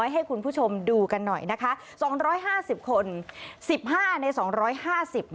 ให้คุณผู้ชมดูกันหน่อยสี่ห้าในสองร้อยห้าสิบ